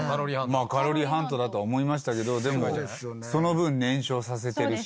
まあカロリーハントだとは思いましたけどでもその分燃焼させてるし。